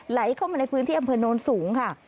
ไหลเข้ามาในพื้นที่อำเภอโน้นสูงค่ะ